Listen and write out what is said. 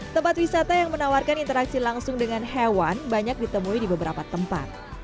tempat wisata yang menawarkan interaksi langsung dengan hewan banyak ditemui di beberapa tempat